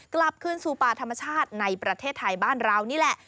กลับคืนสู่ป่าธรรมชาติในประเทศไทยบ้านเรานี่แหละ